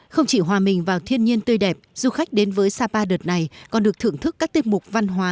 không chỉ hòa mình vào thiên nhiên tươi đẹp du khách đến với sapa đợt này còn được thưởng thức các tiết mục văn hóa